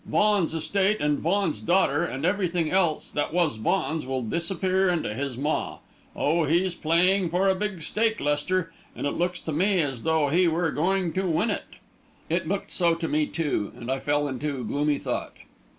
Vaughan's estate and Vaughan's daughter and everything else that was Vaughan's will disappear into his maw. Oh, he's playing for a big stake, Lester, and it looks to me as though he were going to win it!" It looked so to me, too, and I fell into gloomy thought.